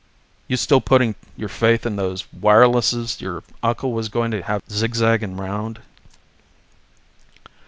"You still putting your faith in those wirelesses your uncle was going to have zigzagging round?"